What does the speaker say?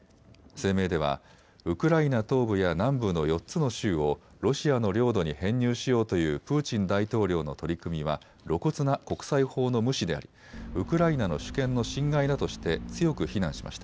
声明ではウクライナ東部や南部の４つの州をロシアの領土に編入しようというプーチン大統領の取り組みは露骨な国際法の無視でありウクライナの主権の侵害だとして強く非難しました。